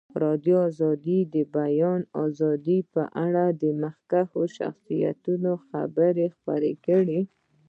ازادي راډیو د د بیان آزادي په اړه د مخکښو شخصیتونو خبرې خپرې کړي.